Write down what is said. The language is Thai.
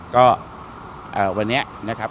ก็วันนี้